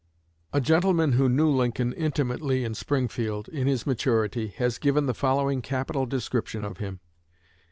A gentleman who knew Lincoln intimately in Springfield, in his maturity, has given the following capital description of him.